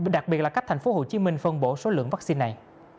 và đặc biệt là cách tp hcm phân bổ số lượng vaccine này